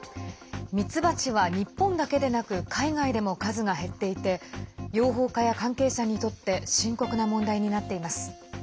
ミツバチは日本だけでなく海外でも数が減っていて養蜂家や関係者にとって深刻な問題になっています。